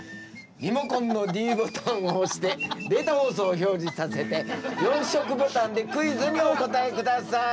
リモコンのｄボタンを押してデータ放送を表示させて４色ボタンでクイズにお答え下さい。